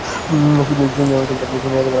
শুনিয়া আমার বড়ো রাগ হইল।